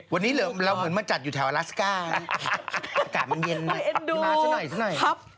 วันนี้เหมือนเรามาจัดอยู่แถวอลาสก้าอากาศมันเย็นมาสักหน่อย